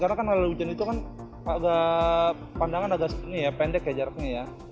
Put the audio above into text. karena kan hari hujan itu kan pandangan agak pendek jaraknya ya